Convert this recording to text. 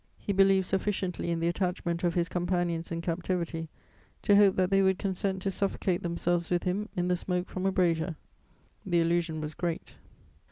He believed sufficiently in the attachment of his companions in captivity to hope that they would consent to suffocate themselves with him in the smoke from a brazier: the illusion was great.